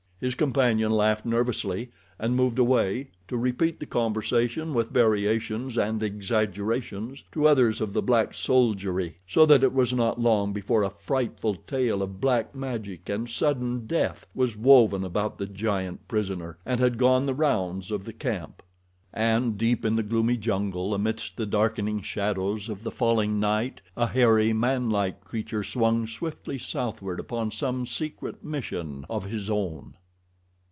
His companion laughed nervously, and moved away, to repeat the conversation, with variations and exaggerations, to others of the black soldiery, so that it was not long before a frightful tale of black magic and sudden death was woven about the giant prisoner, and had gone the rounds of the camp. And deep in the gloomy jungle amidst the darkening shadows of the falling night a hairy, manlike creature swung swiftly southward upon some secret mission of his own.